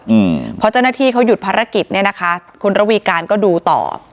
อืมเพราะเจ้าหน้าที่เขาหยุดภารกิจเนี้ยนะคะคุณระวีการก็ดูต่อ